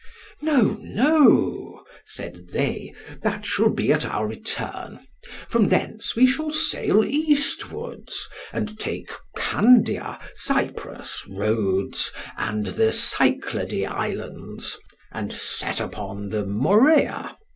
No, no, said they, that shall be at our return. From thence we will sail eastwards, and take Candia, Cyprus, Rhodes, and the Cyclade Islands, and set upon (the) Morea.